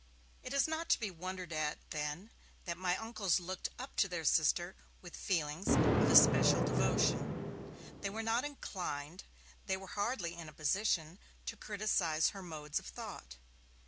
It is not to be wondered at, then, that my uncles looked up to their sister with feelings of especial devotion. They were not inclined, they were hardly in a position, to criticize her modes of thought.